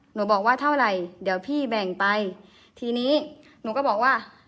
บอกว่าเท่าไหร่เดี๋ยวพี่แบ่งไปทีนี้หนูก็บอกว่า